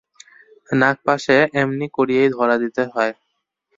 নাগপাশে এমনি করিয়াই ধরা দিতে হয়!